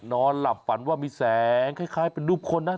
นอนหลับฝันว่ามีแสงคล้ายเป็นรูปคนนะ